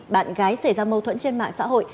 bạn gái xảy ra mâu thuẫn trên mạng xã hội